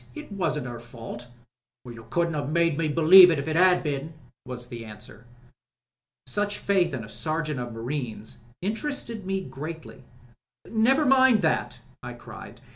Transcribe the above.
It wasn't her fault." "You couldn't 'aven't made me believe it if it 'ad been," was the answer. Such faith in a Sergeant of Marines interested me greatly. "Never mind about that," I cried.